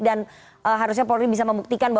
dan harusnya polri bisa membuktikan